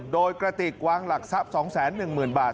โดยกระติกวางหลักทรัพย์๒๑๐๐๐บาท